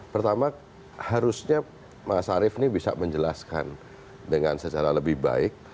pertama harusnya mas arief ini bisa menjelaskan dengan secara lebih baik